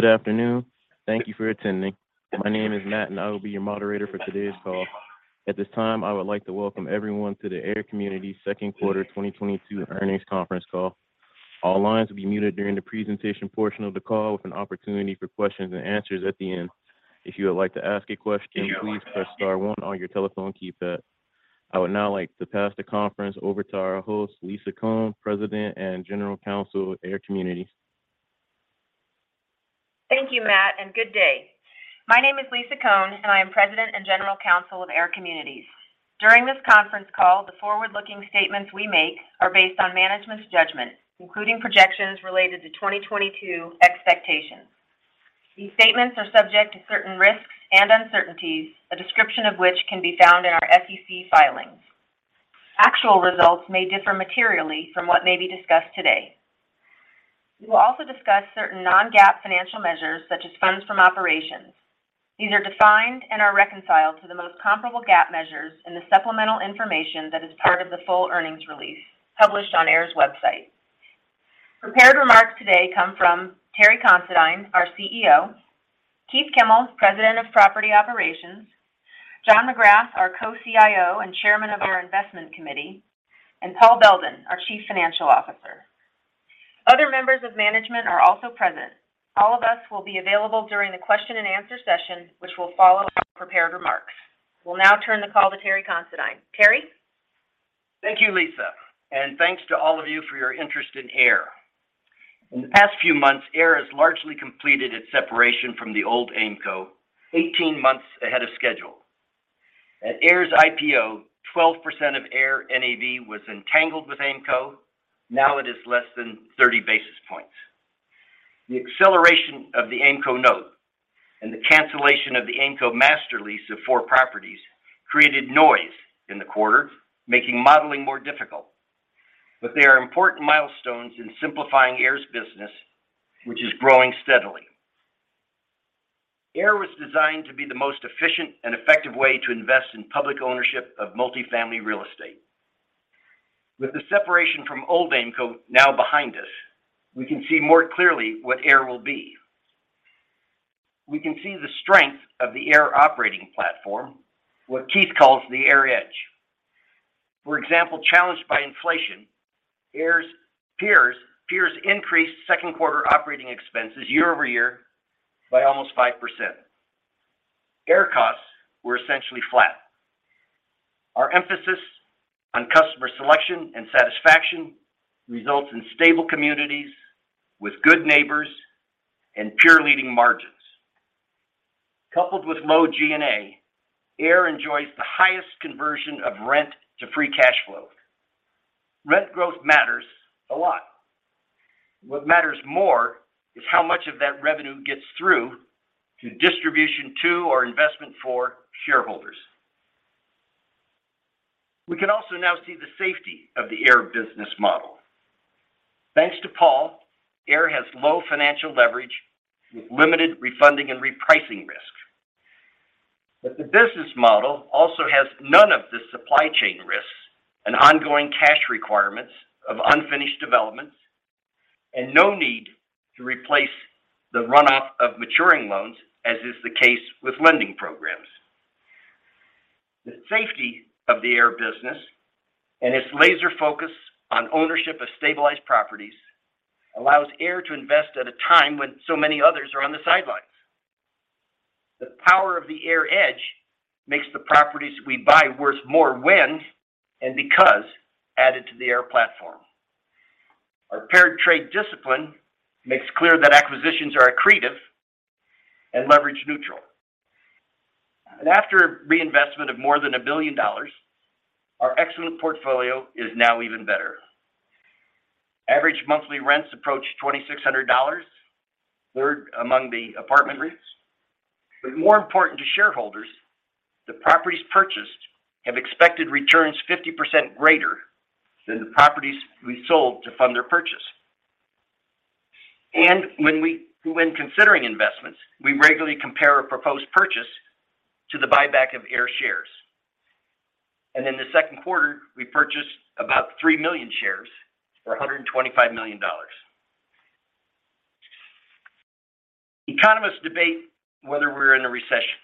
Good afternoon. Thank you for attending. My name is Matt O'Grady, and I will be your moderator for today's call. At this time, I would like to welcome everyone to the AIR Communities second quarter 2022 earnings conference call. All lines will be muted during the presentation portion of the call with an opportunity for questions and answers at the end. If you would like to ask a question, please press star one on your telephone keypad. I would now like to pass the conference over to our host, Lisa Cohn, President and General Counsel of AIR Communities. Thank you, Matt, and good day. My name is Lisa Cohn, and I am President and General Counsel of AIR Communities. During this conference call, the forward-looking statements we make are based on management's judgment, including projections related to 2022 expectations. These statements are subject to certain risks and uncertainties, a description of which can be found in our SEC filings. Actual results may differ materially from what may be discussed today. We will also discuss certain non-GAAP financial measures, such as funds from operations. These are defined and are reconciled to the most comparable GAAP measures in the supplemental information that is part of the full earnings release published on AIR's website. Prepared remarks today come from Terry Considine, our CEO, Keith Kimmel, President of Property Operations, John McGrath, our Co-CIO and Chairman of our Investment Committee, and Paul Beldin, our Chief Financial Officer. Other members of management are also present. All of us will be available during the question and answer session, which will follow our prepared remarks. We'll now turn the call to Terry Considine. Terry. Thank you, Lisa. Thanks to all of you for your interest in AIR. In the past few months, AIR has largely completed its separation from the old Aimco 18 months ahead of schedule. At AIR's IPO, 12% of AIR NAV was entangled with Aimco. Now it is less than 30 basis points. The acceleration of the Aimco note and the cancellation of the Aimco master lease of four properties created noise in the quarter, making modeling more difficult. They are important milestones in simplifying AIR's business, which is growing steadily. AIR was designed to be the most efficient and effective way to invest in public ownership of multi-family real estate. With the separation from old Aimco now behind us, we can see more clearly what AIR will be. We can see the strength of the AIR operating platform, what Keith calls the AIR Edge. For example, challenged by inflation, AIR's peers increased second quarter operating expenses year-over-year by almost 5%. AIR costs were essentially flat. Our emphasis on customer selection and satisfaction results in stable communities with good neighbors and peer-leading margins. Coupled with low G&A, AIR enjoys the highest conversion of rent to free cash flow. Rent growth matters a lot. What matters more is how much of that revenue gets through to distribution to or investment for shareholders. We can also now see the safety of the AIR business model. Thanks to Paul, AIR has low financial leverage with limited refunding and repricing risk. The business model also has none of the supply chain risks and ongoing cash requirements of unfinished developments and no need to replace the runoff of maturing loans, as is the case with lending programs. The safety of the AIR business and its laser focus on ownership of stabilized properties allows AIR to invest at a time when so many others are on the sidelines. The power of the AIR Edge makes the properties we buy worth more when and because added to the AIR platform. Our paired trade discipline makes clear that acquisitions are accretive and leverage neutral. After reinvestment of more than $1 billion, our excellent portfolio is now even better. Average monthly rents approach $2,600, third among the apartment REITs. More important to shareholders, the properties purchased have expected returns 50% greater than the properties we sold to fund their purchase. When considering investments, we regularly compare a proposed purchase to the buyback of AIR shares. In the second quarter, we purchased about 3 million shares for $125 million. Economists debate whether we're in a recession.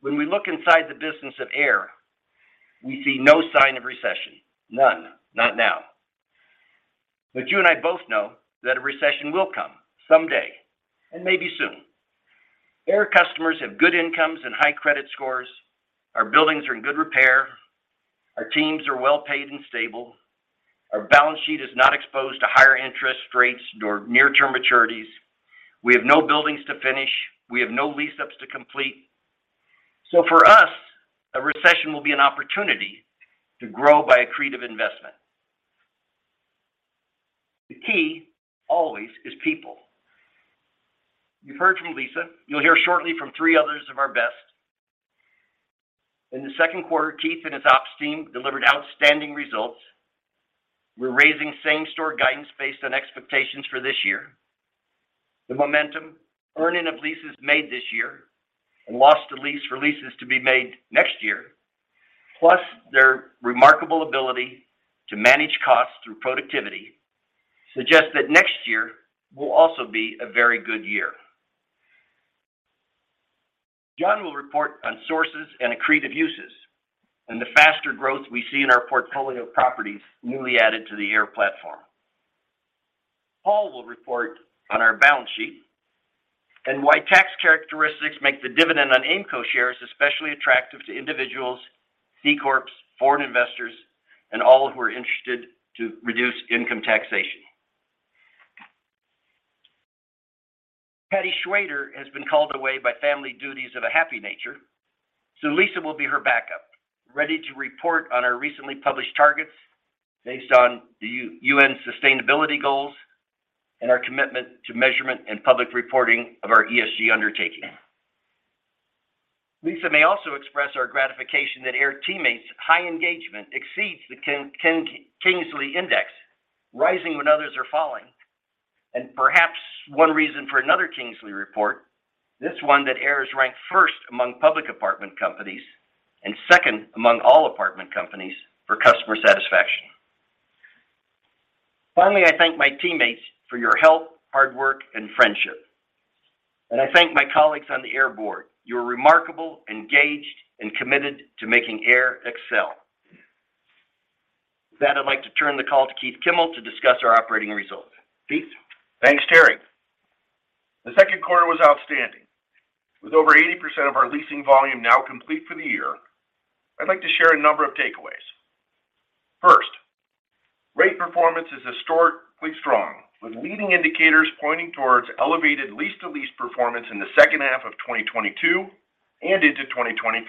When we look inside the business of AIR, we see no sign of recession. None. Not now. You and I both know that a recession will come someday, and maybe soon. AIR customers have good incomes and high credit scores. Our buildings are in good repair. Our teams are well-paid and stable. Our balance sheet is not exposed to higher interest rates nor near-term maturities. We have no buildings to finish. We have no lease-ups to complete. For us, a recession will be an opportunity to grow by accretive investment. The key, always, is people. You've heard from Lisa. You'll hear shortly from three others of our best. In the second quarter, Keith and his ops team delivered outstanding results. We're raising same-store guidance based on expectations for this year. The momentum, earning of leases made this year, and loss to lease for leases to be made next year, plus their remarkable ability to manage costs through productivity suggests that next year will also be a very good year. John will report on sources and accretive uses and the faster growth we see in our portfolio of properties newly added to the AIR platform. Paul will report on our balance sheet and why tax characteristics make the dividend on Aimco shares especially attractive to individuals, C-corps, foreign investors, and all who are interested to reduce income taxation. Patti Shwayder has been called away by family duties of a happy nature, so Lisa Cohn will be her backup, ready to report on our recently published targets based on the UN sustainability goals and our commitment to measurement and public reporting of our ESG undertaking. Lisa Cohn may also express our gratification that AIR teammates' high engagement exceeds the Kingsley Index, rising when others are falling, and perhaps one reason for another Kingsley report, this one that AIR is ranked first among public apartment companies and second among all apartment companies for customer satisfaction. Finally, I thank my teammates for your help, hard work, and friendship, and I thank my colleagues on the AIR board. You are remarkable, engaged, and committed to making AIR excel. With that, I'd like to turn the call to Keith Kimmel to discuss our operating results. Keith? Thanks, Terry. The second quarter was outstanding. With over 80% of our leasing volume now complete for the year, I'd like to share a number of takeaways. First, rate performance is historically strong, with leading indicators pointing towards elevated lease-to-lease performance in the second half of 2022 and into 2023.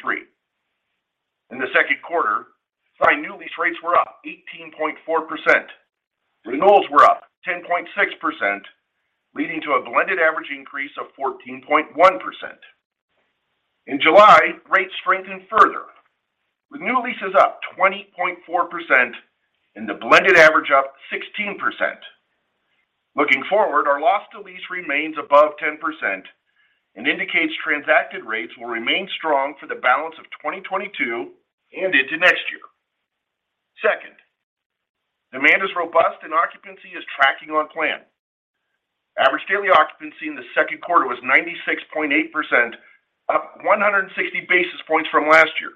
In the second quarter, signed new lease rates were up 18.4%. Renewals were up 10.6%, leading to a blended average increase of 14.1%. In July, rates strengthened further, with new leases up 20.4% and the blended average up 16%. Looking forward, our loss to lease remains above 10% and indicates transacted rates will remain strong for the balance of 2022 and into next year. Second, demand is robust and occupancy is tracking on plan. Average daily occupancy in the second quarter was 96.8%, up 160 basis points from last year.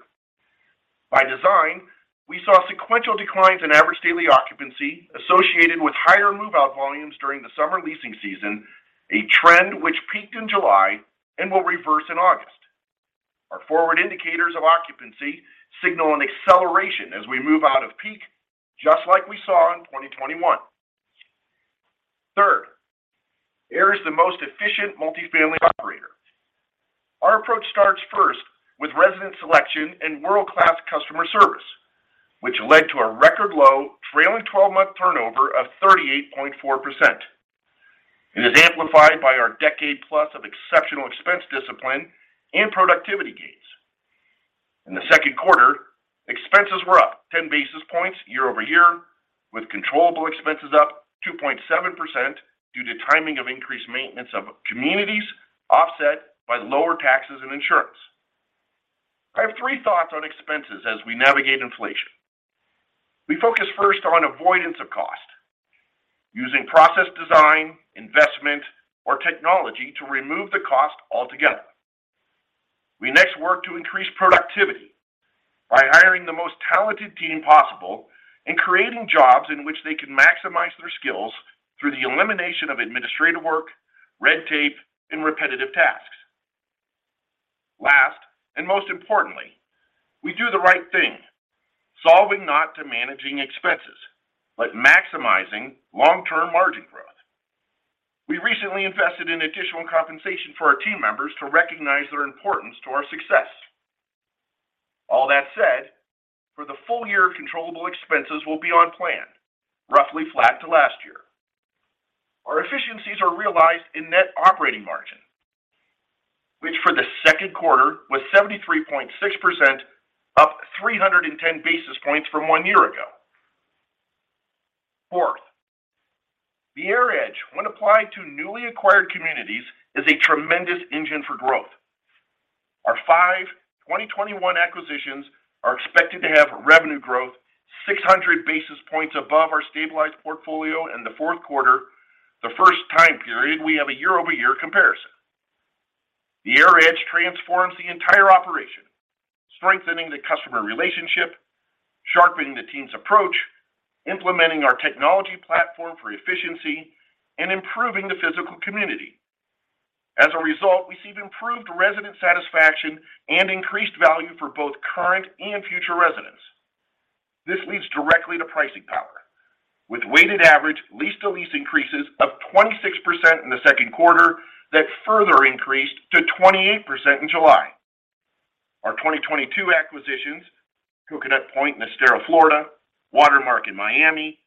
By design, we saw sequential declines in average daily occupancy associated with higher move-out volumes during the summer leasing season, a trend which peaked in July and will reverse in August. Our forward indicators of occupancy signal an acceleration as we move out of peak, just like we saw in 2021. Third, AIR is the most efficient multifamily operator. Our approach starts first with resident selection and world-class customer service, which led to a record low trailing 12-month turnover of 38.4%. It is amplified by our decade plus of exceptional expense discipline and productivity gains. In the second quarter, expenses were up 10 basis points year-over-year, with controllable expenses up 2.7% due to timing of increased maintenance of communities offset by lower taxes and insurance. I have three thoughts on expenses as we navigate inflation. We focus first on avoidance of cost, using process design, investment, or technology to remove the cost altogether. We next work to increase productivity by hiring the most talented team possible and creating jobs in which they can maximize their skills through the elimination of administrative work, red tape, and repetitive tasks. Last, and most importantly, we do the right thing, solving not to managing expenses, but maximizing long-term margin growth. We recently invested in additional compensation for our team members to recognize their importance to our success. All that said, for the full year, controllable expenses will be on plan, roughly flat to last year. Our efficiencies are realized in net operating margin, which for the second quarter was 73.6%, up 310 basis points from one year ago. Fourth, the AIR Edge, when applied to newly acquired communities, is a tremendous engine for growth. Our five 2021 acquisitions are expected to have revenue growth 600 basis points above our stabilized portfolio in the fourth quarter, the first time period we have a year-over-year comparison. The AIR Edge transforms the entire operation, strengthening the customer relationship, sharpening the team's approach, implementing our technology platform for efficiency, and improving the physical community. As a result, we see improved resident satisfaction and increased value for both current and future residents. This leads directly to pricing power with weighted average lease-to-lease increases of 26% in the second quarter that further increased to 28% in July. Our 2022 acquisitions, Coconut Point in Estero, Florida, Watermarc in Miami,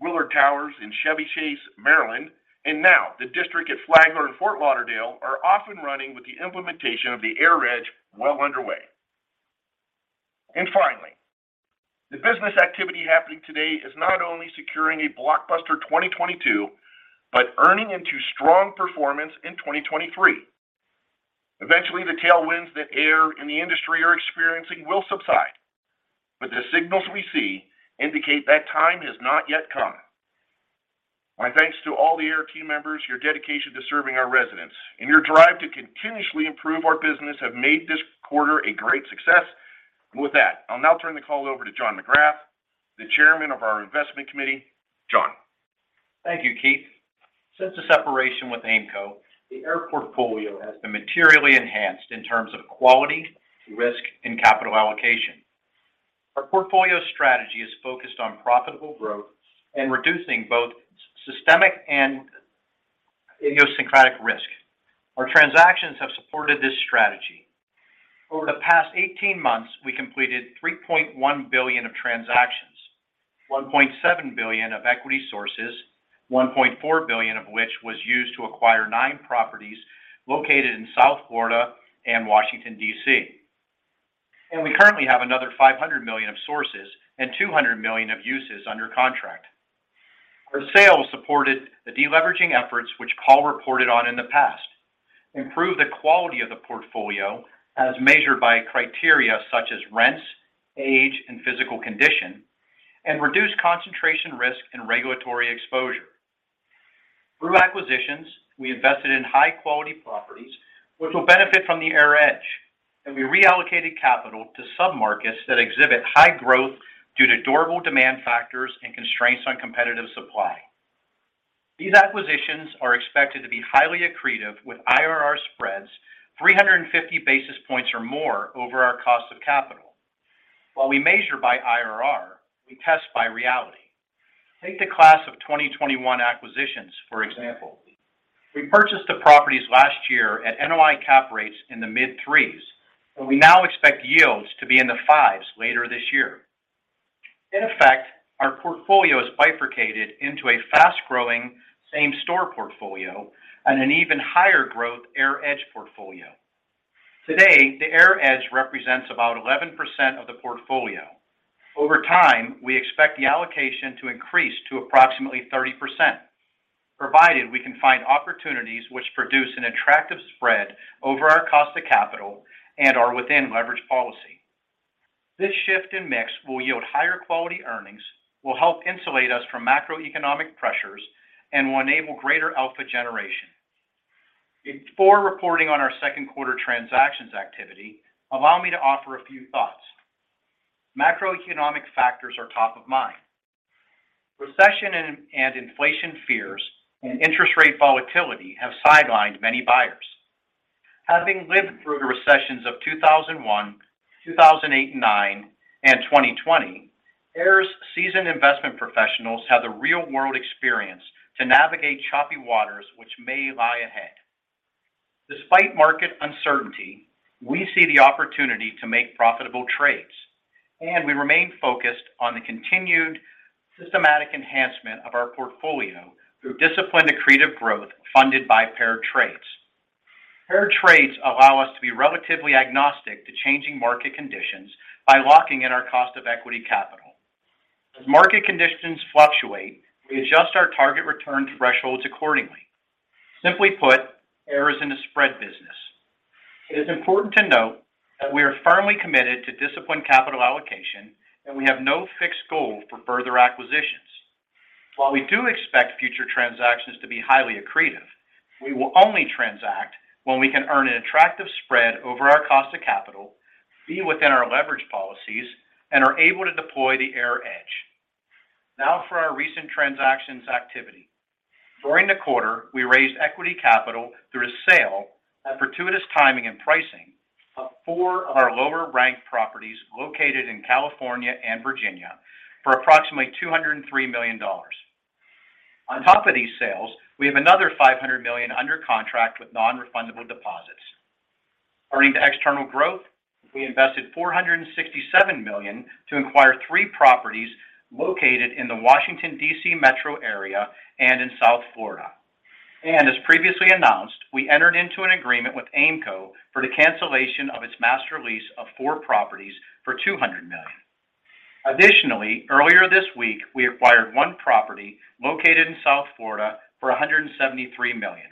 Willard Towers in Chevy Chase, Maryland, and now The District at Flagler in Fort Lauderdale, are off and running with the implementation of the AIR Edge well underway. Finally, the business activity happening today is not only securing a blockbuster 2022, but earning into strong performance in 2023. Eventually, the tailwinds that AIR and the industry are experiencing will subside, but the signals we see indicate that time has not yet come. My thanks to all the AIR team members, your dedication to serving our residents and your drive to continuously improve our business have made this quarter a great success. With that, I'll now turn the call over to John McGrath, the Chairman of our Investment Committee. John. Thank you, Keith. Since the separation with Aimco, the AIR portfolio has been materially enhanced in terms of quality, risk, and capital allocation. Our portfolio strategy is focused on profitable growth and reducing both systemic and idiosyncratic risk. Our transactions have supported this strategy. Over the past 18 months, we completed $3.1 billion of transactions, $1.7 billion of equity sources, $1.4 billion of which was used to acquire nine properties located in South Florida and Washington, D.C. We currently have another $500 million of sources and $200 million of uses under contract. Our sales supported the deleveraging efforts which Paul reported on in the past, improved the quality of the portfolio as measured by criteria such as rents, age, and physical condition, and reduced concentration risk and regulatory exposure. Through acquisitions, we invested in high-quality properties, which will benefit from the AIR Edge, and we reallocated capital to some markets that exhibit high growth due to durable demand factors and constraints on competitive supply. These acquisitions are expected to be highly accretive with IRR spreads 350 basis points or more over our cost of capital. While we measure by IRR, we test by reality. Take the class of 2021 acquisitions, for example. We purchased the properties last year at NOI cap rates in the mid-3%s, but we now expect yields to be in the 5%s later this year. In effect, our portfolio is bifurcated into a fast-growing same-store portfolio and an even higher growth AIR Edge portfolio. Today, the AIR Edge represents about 11% of the portfolio. Over time, we expect the allocation to increase to approximately 30%, provided we can find opportunities which produce an attractive spread over our cost of capital and are within leverage policy. This shift in mix will yield higher quality earnings, will help insulate us from macroeconomic pressures, and will enable greater alpha generation. Before reporting on our second quarter transactions activity, allow me to offer a few thoughts. Macroeconomic factors are top of mind. Recession and inflation fears and interest rate volatility have sidelined many buyers. Having lived through the recessions of 2001, 2008 and 2009, and 2020, AIR's seasoned investment professionals have the real-world experience to navigate choppy waters which may lie ahead. Despite market uncertainty, we see the opportunity to make profitable trades, and we remain focused on the continued systematic enhancement of our portfolio through disciplined accretive growth funded by paired trades. Paired trades allow us to be relatively agnostic to changing market conditions by locking in our cost of equity capital. As market conditions fluctuate, we adjust our target return thresholds accordingly. Simply put, AIR is in a spread business. It is important to note that we are firmly committed to disciplined capital allocation, and we have no fixed goal for further acquisitions. While we do expect future transactions to be highly accretive, we will only transact when we can earn an attractive spread over our cost of capital, be within our leverage policies, and are able to deploy the AIR Edge. Now for our recent transactions activity. During the quarter, we raised equity capital through a sale at fortuitous timing and pricing of four of our lower-ranked properties located in California and Virginia for approximately $203 million. On top of these sales, we have another $500 million under contract with non-refundable deposits. Turning to external growth, we invested $467 million to acquire three properties located in the Washington, D.C. metro area and in South Florida. As previously announced, we entered into an agreement with Aimco for the cancellation of its master lease of four properties for $200 million. Additionally, earlier this week, we acquired one property located in South Florida for $173 million.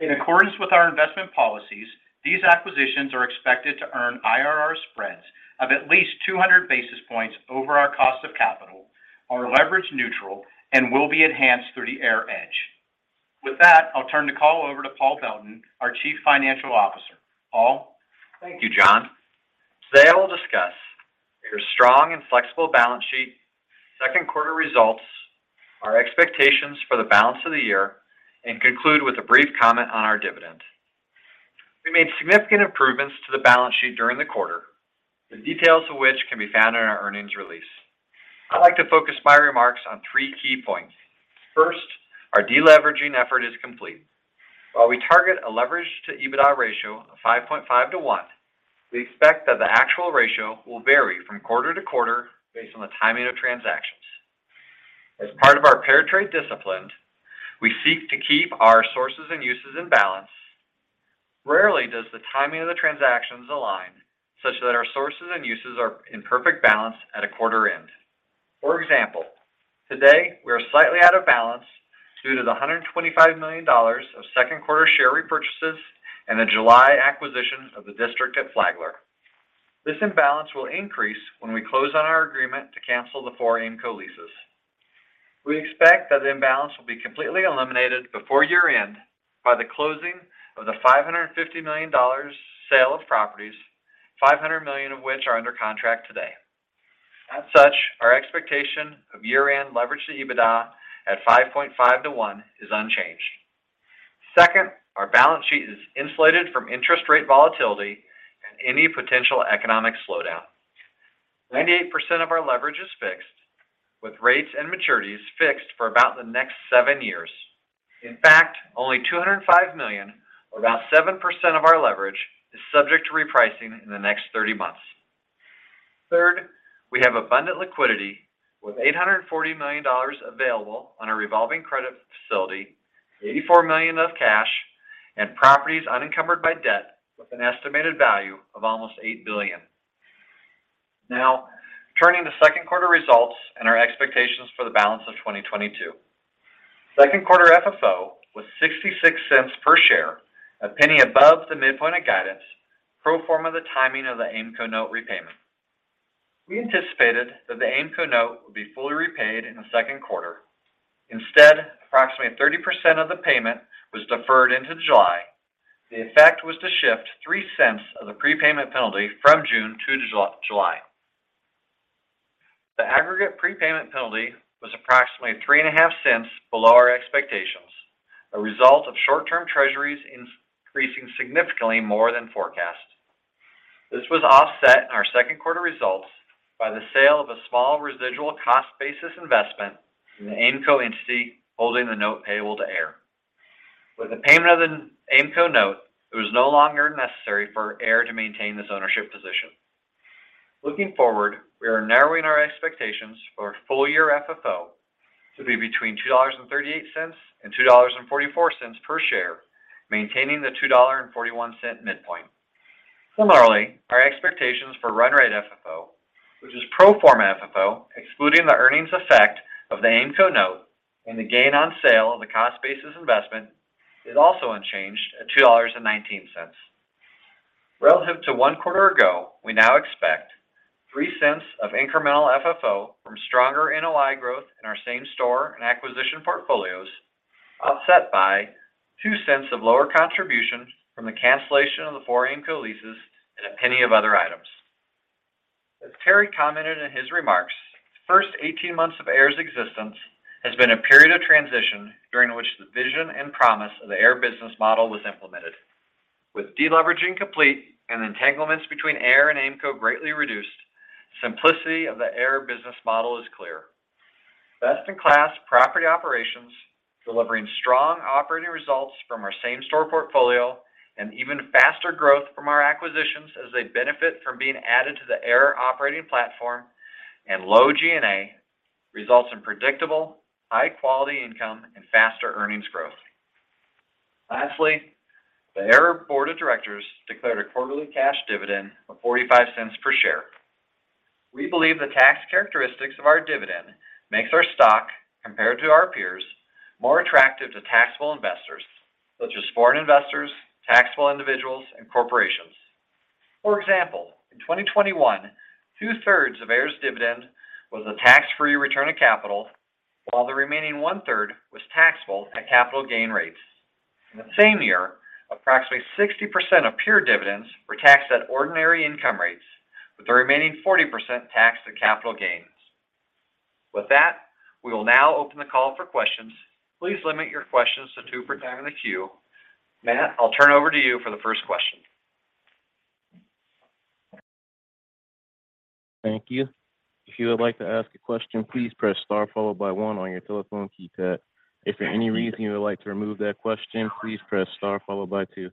In accordance with our investment policies, these acquisitions are expected to earn IRR spreads of at least 200 basis points over our cost of capital, are leverage neutral, and will be enhanced through the AIR Edge. With that, I'll turn the call over to Paul Beldin, our Chief Financial Officer. Paul. Thank you, John. Today, I will discuss your strong and flexible balance sheet, second quarter results, our expectations for the balance of the year, and conclude with a brief comment on our dividend. We made significant improvements to the balance sheet during the quarter, the details of which can be found in our earnings release. I'd like to focus my remarks on three key points. First, our deleveraging effort is complete. While we target a leverage to EBITDA ratio of 5.5 to 1, we expect that the actual ratio will vary from quarter to quarter based on the timing of transactions. As part of our paired trade discipline, we seek to keep our sources and uses in balance. Rarely does the timing of the transactions align such that our sources and uses are in perfect balance at a quarter end. For example, today, we are slightly out of balance due to the $125 million of second quarter share repurchases and the July acquisition of the district at Flagler. This imbalance will increase when we close on our agreement to cancel the four Aimco leases. We expect that the imbalance will be completely eliminated before year-end by the closing of the $550 million sale of properties, $500 million of which are under contract today. As such, our expectation of year-end leverage to EBITDA at 5.5 to 1 is unchanged. Second, our balance sheet is insulated from interest rate volatility and any potential economic slowdown. 98% of our leverage is fixed, with rates and maturities fixed for about the next seven years. In fact, only $205 million, or about 7% of our leverage, is subject to repricing in the next 30 months. Third, we have abundant liquidity with $840 million available on a revolving credit facility, $84 million of cash and properties unencumbered by debt with an estimated value of almost $8 billion. Now, turning to second quarter results and our expectations for the balance of 2022. Second quarter FFO was $0.66 per share, $0.01 above the midpoint of guidance, pro forma the timing of the Aimco note repayment. We anticipated that the Aimco note would be fully repaid in the second quarter. Instead, approximately 30% of the payment was deferred into July. The effect was to shift $0.03 of the prepayment penalty from June to July. The aggregate prepayment penalty was approximately $0.035 below our expectations, a result of short-term treasuries increasing significantly more than forecast. This was offset in our second quarter results by the sale of a small residual cost basis investment in the Aimco entity holding the note payable to AIR. With the payment of the Aimco note, it was no longer necessary for AIR to maintain this ownership position. Looking forward, we are narrowing our expectations for full year FFO to be between $2.38 and $2.44 per share, maintaining the $2.41 midpoint. Similarly, our expectations for run rate FFO, which is pro forma FFO, excluding the earnings effect of the Aimco note and the gain on sale of the cost basis investment, is also unchanged at $2.19. Relative to one quarter ago, we now expect $0.03 of incremental FFO from stronger NOI growth in our same store and acquisition portfolios, offset by $0.02 of lower contribution from the cancellation of the four Aimco leases at $0.01 of other items. As Terry commented in his remarks, the first 18 months of AIR's existence has been a period of transition during which the vision and promise of the AIR business model was implemented. With deleveraging complete and entanglements between AIR and Aimco greatly reduced, simplicity of the AIR business model is clear. Best in class property operations, delivering strong operating results from our same store portfolio and even faster growth from our acquisitions as they benefit from being added to the AIR operating platform and low G&A results in predictable, high quality income and faster earnings growth. Lastly, the AIR board of directors declared a quarterly cash dividend of $0.45 per share. We believe the tax characteristics of our dividend makes our stock, compared to our peers, more attractive to taxable investors, such as foreign investors, taxable individuals, and corporations. For example, in 2021, 2/3 of AIR's dividend was a tax-free return of capital, while the remaining 1/3 was taxable at capital gain rates. In the same year, approximately 60% of peer dividends were taxed at ordinary income rates, with the remaining 40% taxed at capital gains. With that, we will now open the call for questions. Please limit your questions to two per time in the queue. Matt, I'll turn over to you for the first question. Thank you. If you would like to ask a question, please press star followed by one on your telephone keypad. If for any reason you would like to remove that question, please press star followed by two.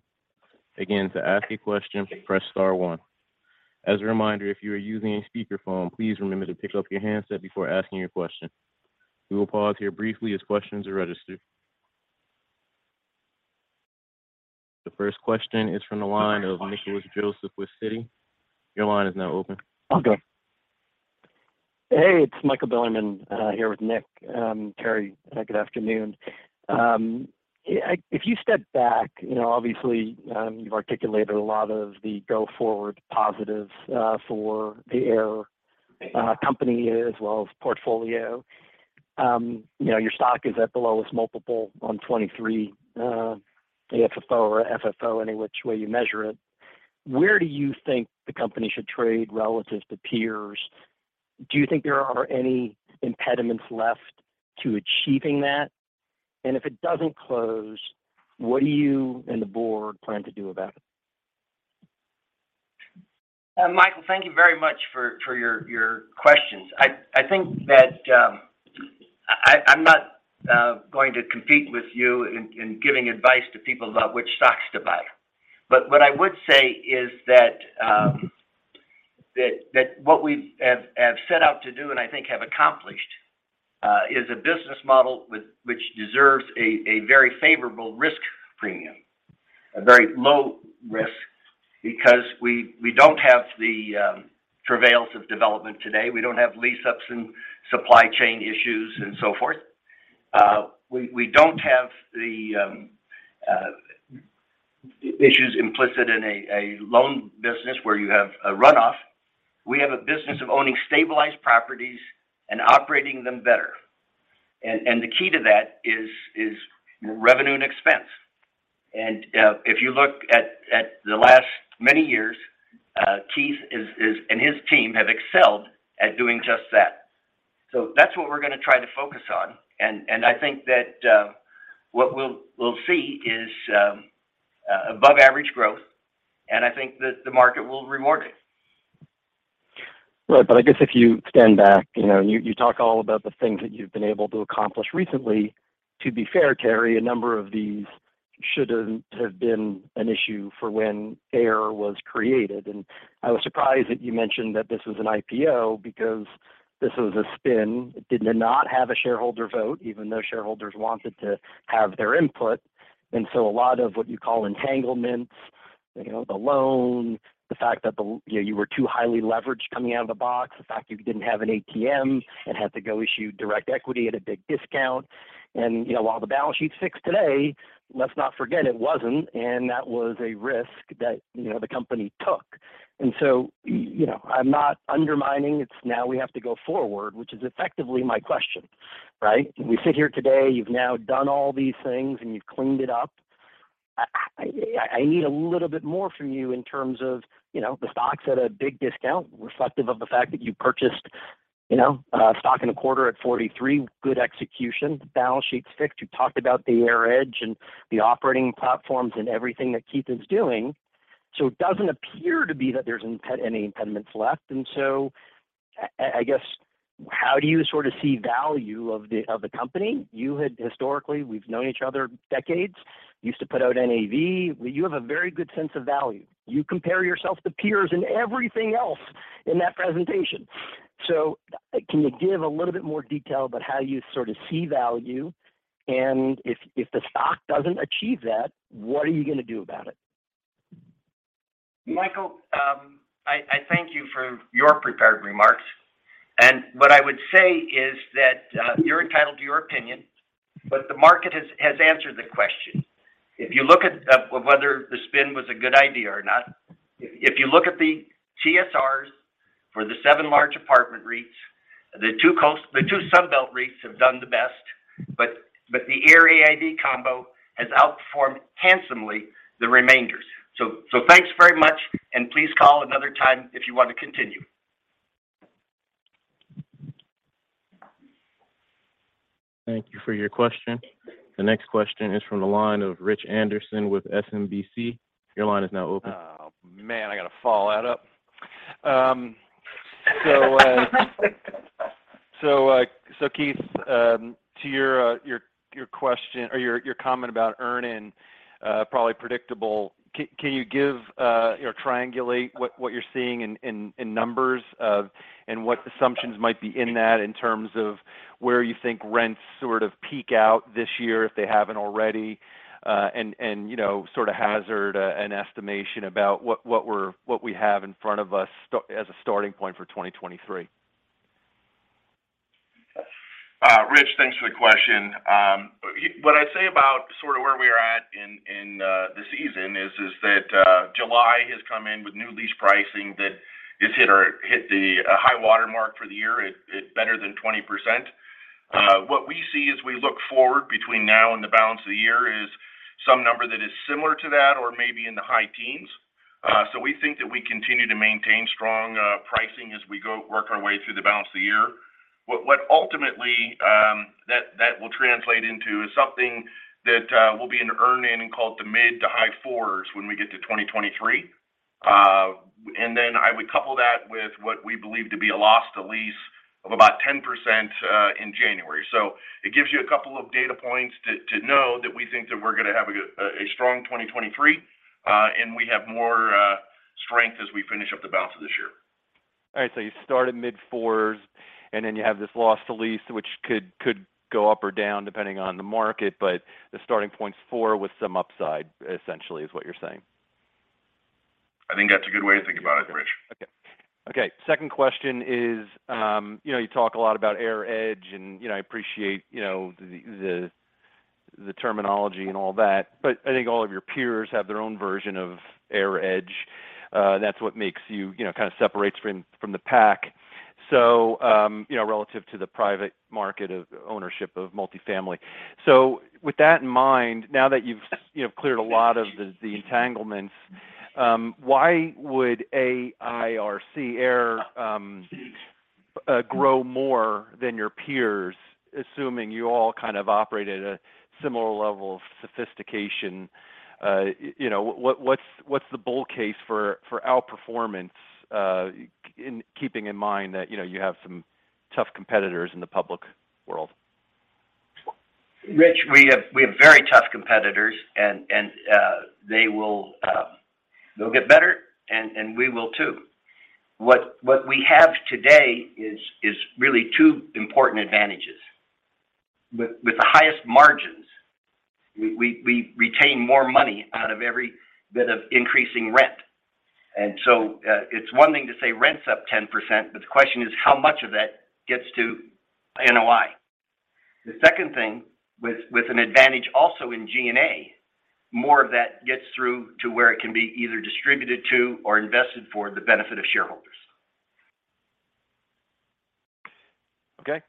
Again, to ask a question, press star one. As a reminder, if you are using a speakerphone, please remember to pick up your handset before asking your question. We will pause here briefly as questions are registered. The first question is from the line of Nick Joseph with Citi. Your line is now open. Okay. Hey, it's Michael Bilerman here with Nick, Terry. Good afternoon. If you step back, you know, obviously, you've articulated a lot of the go forward positives for the AIR company as well as portfolio. You know, your stock is at the lowest multiple on 2023 FFO any which way you measure it. Where do you think the company should trade relative to peers? Do you think there are any impediments left to achieving that? If it doesn't close, what do you and the board plan to do about it? Michael, thank you very much for your questions. I think that I'm not going to compete with you in giving advice to people about which stocks to buy. What I would say is that what we have set out to do and I think have accomplished is a business model with which deserves a very favorable risk premium. A very low risk because we don't have the prevalence of development today. We don't have lease-ups and supply chain issues and so forth. We don't have the issues implicit in a loan business where you have a runoff. We have a business of owning stabilized properties and operating them better. The key to that is revenue and expense. If you look at the last many years, Keith and his team have excelled at doing just that. That's what we're gonna try to focus on. I think that what we'll see is above average growth, and I think that the market will reward it. Right. I guess if you stand back, you know, and you talk all about the things that you've been able to accomplish recently. To be fair, Terry, a number of these shouldn't have been an issue for when AIR was created. I was surprised that you mentioned that this was an IPO because this was a spin. It did not have a shareholder vote, even though shareholders wanted to have their input. A lot of what you call entanglements, you know, the loan, the fact that the, you know, you were too highly leveraged coming out of the box, the fact that you didn't have an ATM and had to go issue direct equity at a big discount. You know, while the balance sheet's fixed today, let's not forget it wasn't, and that was a risk that, you know, the company took. You know, I'm not undermining. It's now we have to go forward, which is effectively my question, right? We sit here today, you've now done all these things and you've cleaned it up. I need a little bit more from you in terms of, you know, the stock's at a big discount, reflective of the fact that you purchased, you know, stock in a quarter at $43, good execution. The balance sheet's fixed. You've talked about the AIR Edge and the operating platforms and everything that Keith is doing. It doesn't appear to be that there's any impediments left. I guess how do you sort of see value of the company? You had historically, we've known each other decades, used to put out NAV. You have a very good sense of value. You compare yourself to peers and everything else in that presentation. Can you give a little bit more detail about how you sort of see value? If the stock doesn't achieve that, what are you gonna do about it? Michael, I thank you for your prepared remarks. What I would say is that you're entitled to your opinion, but the market has answered the question. If you look at whether the spin was a good idea or not. If you look at the TSRs for the seven large apartment REITs, the two Sunbelt REITs have done the best, but the AIR Aimco combo has outperformed handsomely the remainders. So thanks very much, and please call another time if you want to continue. Thank you for your question. The next question is from the line of Rich Anderson with SMBC. Your line is now open. Oh, man, I got to follow that up. Keith, to your question or your comment about earn-in, probably predictable. Can you give or triangulate what you're seeing in numbers and what assumptions might be in that in terms of where you think rents sort of peak out this year, if they haven't already, and you know, sort of hazard an estimation about what we have in front of us as a starting point for 2023. Rich, thanks for the question. What I'd say about sort of where we are at in the season is that July has come in with new lease pricing that has hit the high water mark for the year at better than 20%. What we see as we look forward between now and the balance of the year is some number that is similar to that or maybe in the high teens. We think that we continue to maintain strong pricing as we go work our way through the balance of the year. What ultimately that will translate into is something that will be a run rate in the mid- to high 4%s when we get to 2023. I would couple that with what we believe to be a loss to lease of about 10% in January. It gives you a couple of data points to know that we think that we're gonna have a strong 2023, and we have more strength as we finish up the balance of this year. All right. You start at mid-4%s, and then you have this loss to lease, which could go up or down depending on the market. The starting point's 4% with some upside, essentially, is what you're saying. I think that's a good way to think about it, Rich. Okay. Second question is, you know, you talk a lot about AIR Edge, and, you know, I appreciate the terminology and all that. But I think all of your peers have their own version of AIR Edge. That's what makes you know, kind of separates from the pack. Relative to the private market of ownership of multifamily. With that in mind, now that you've, you know, cleared a lot of the entanglements, why would AIRC, AIR, grow more than your peers, assuming you all kind of operate at a similar level of sophistication? You know, what's the bull case for outperformance, keeping in mind that, you know, you have some tough competitors in the public world? Rich, we have very tough competitors, and they'll get better and we will too. What we have today is really two important advantages With the highest margins, we retain more money out of every bit of increasing rent. It's one thing to say rent's up 10%, but the question is how much of that gets to NOI. The second thing with an advantage also in G&A, more of that gets through to where it can be either distributed to or invested for the benefit of shareholders. Okay.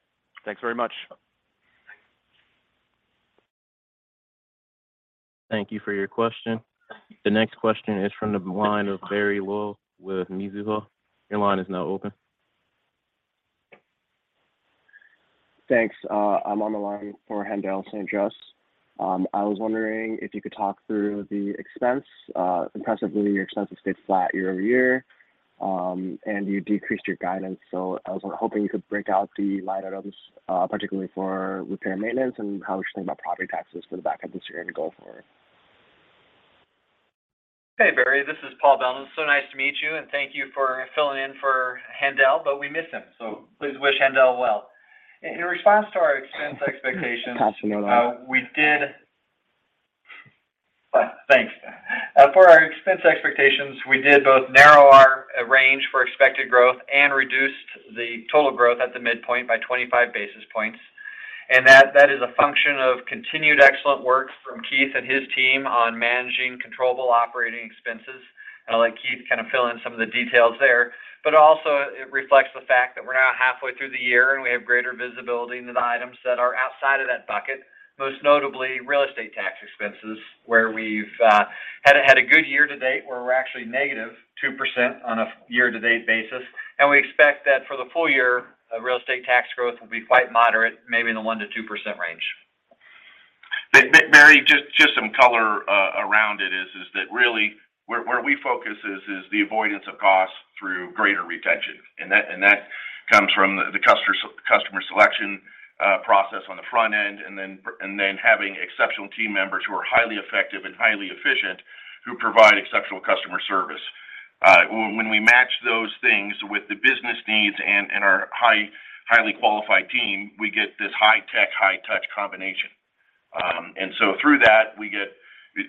Thanks very much. Thank you for your question. The next question is from the line of Haendel St. Juste with Mizuho. Your line is now open. Thanks. I'm on the line for Haendel St. Juste. I was wondering if you could talk through the expenses. Impressively, your expenses have stayed flat year-over-year, and you decreased your guidance. I was hoping you could break out the line items, particularly for repair and maintenance and how we should think about property taxes for the back end of this year and go forward. Hey, Berei, this is Paul Beldin. Nice to meet you, and thank you for filling in for Haendel, but we miss him, so please wish Haendel well. In response to our expense expectations. Pass him along. Thanks. For our expense expectations, we did both narrow our range for expected growth and reduced the total growth at the midpoint by 25 basis points. That is a function of continued excellent work from Keith and his team on managing controllable operating expenses. I'll let Keith kind of fill in some of the details there. Also it reflects the fact that we're now halfway through the year, and we have greater visibility into the items that are outside of that bucket, most notably real estate tax expenses, where we've had a good year to date where we're actually -2% on a year-to-date basis. We expect that for the full year, real estate tax growth will be quite moderate, maybe in the 1%-2% range. Berei, just some color around it is that really where we focus is the avoidance of costs through greater retention. That comes from the customer selection process on the front end, and then having exceptional team members who are highly effective and highly efficient who provide exceptional customer service. When we match those things with the business needs and our highly qualified team, we get this high tech, high touch combination. Through that, we get,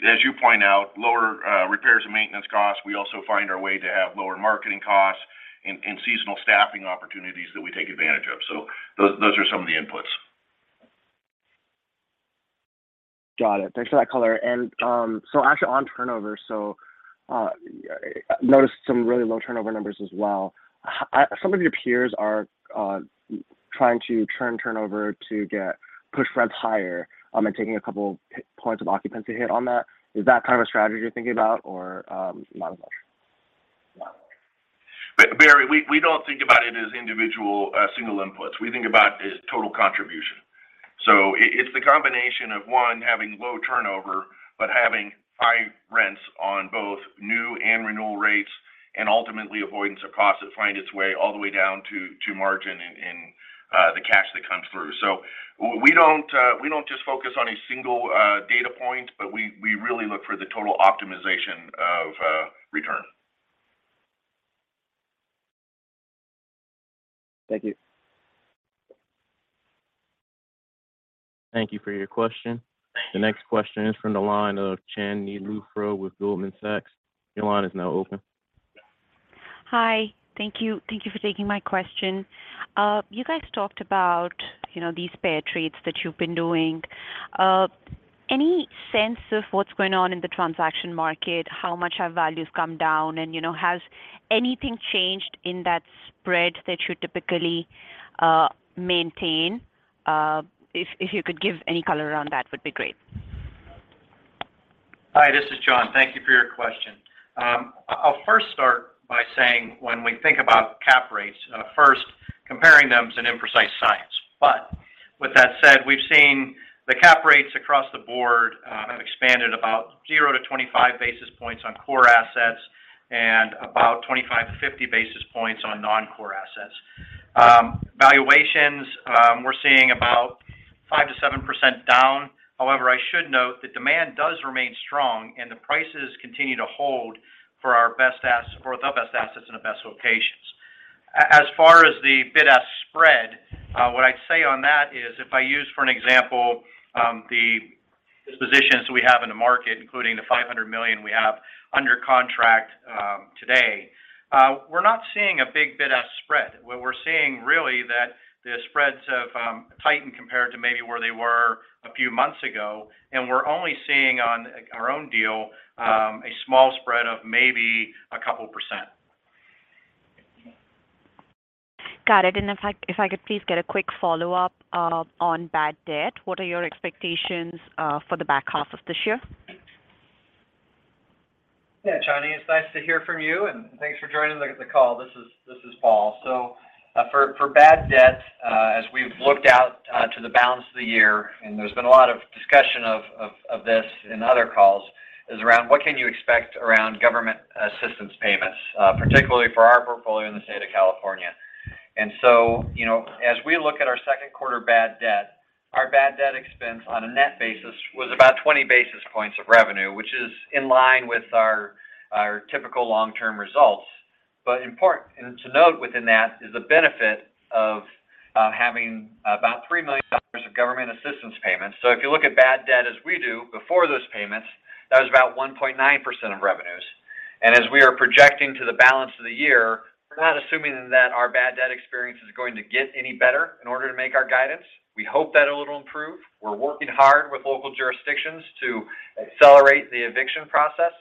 as you point out, lower repairs and maintenance costs. We also find our way to have lower marketing costs and seasonal staffing opportunities that we take advantage of. Those are some of the inputs. Got it. Thanks for that color. Actually on turnover, noticed some really low turnover numbers as well. Some of your peers are trying to trim turnover to get push rents higher, and taking a couple percentage points of occupancy hit on that. Is that kind of a strategy you're thinking about or not as much? Barry, we don't think about it as individual single inputs. We think about it as total contribution. It's the combination of, one, having low turnover, but having high rents on both new and renewal rates, and ultimately avoidance of costs that find its way all the way down to margin and the cash that comes through. We don't just focus on a single data point, but we really look for the total optimization of return. Thank you. Thank you for your question. The next question is from the line of Chandni Luthra with Goldman Sachs. Your line is now open. Hi. Thank you. Thank you for taking my question. You guys talked about, you know, these pair trades that you've been doing. Any sense of what's going on in the transaction market? How much have values come down? You know, has anything changed in that spread that you typically maintain? If you could give any color around that would be great. Hi, this is John. Thank you for your question. I'll first start by saying when we think about cap rates, first comparing them is an imprecise science. With that said, we've seen the cap rates across the board have expanded about 0-25 basis points on core assets and about 25-50 basis points on non-core assets. Valuations, we're seeing about 5%-7% down. However, I should note that demand does remain strong, and the prices continue to hold for the best assets in the best locations. As far as the bid-ask spread, what I'd say on that is if I use, for example, the dispositions we have in the market, including the $500 million we have under contract, today, we're not seeing a big bid-ask spread. What we're seeing really that the spreads have tightened compared to maybe where they were a few months ago, and we're only seeing on our own deal a small spread of maybe a couple percent. Got it. If I could please get a quick follow-up on bad debt. What are your expectations for the back half of this year? Yeah, Chandni, it's nice to hear from you, and thanks for joining the call. This is Paul Beldin. For bad debt, as we've looked out to the balance of the year, and there's been a lot of discussion of this in other calls, is around what can you expect around government assistance payments, particularly for our portfolio in the state of California. You know, as we look at our second quarter bad debt, our bad debt expense on a net basis was about 20 basis points of revenue, which is in line with our typical long-term results. Important, and to note within that, is the benefit of having about $3 million of government assistance payments. If you look at bad debt as we do before those payments, that was about 1.9% of revenues. As we are projecting to the balance of the year, we're not assuming that our bad debt experience is going to get any better in order to make our guidance. We hope that it'll improve. We're working hard with local jurisdictions to accelerate the eviction process,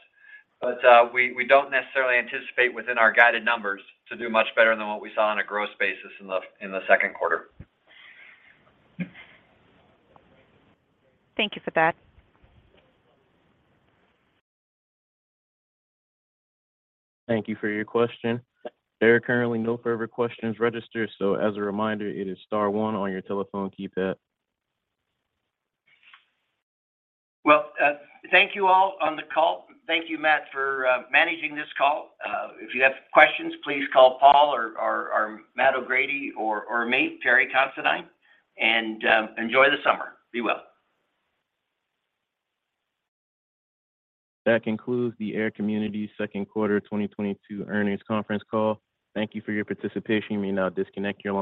but we don't necessarily anticipate within our guided numbers to do much better than what we saw on a growth basis in the second quarter. Thank you for that. Thank you for your question. There are currently no further questions registered, so as a reminder, it is star one on your telephone keypad. Well, thank you all on the call. Thank you, Matthew, for managing this call. If you have questions, please call Paul or Matthew O'Grady or me, Terry Considine. Enjoy the summer. Be well. That concludes the AIR Communities second quarter 2022 earnings conference call. Thank you for your participation. You may now disconnect your line.